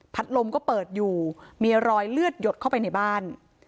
ลมก็เปิดอยู่มีรอยเลือดหยดเข้าไปในบ้าน